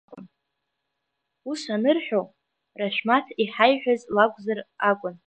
Ус анырҳәо, Рашәҭам иҳаиҳәаз лакәзар акәын.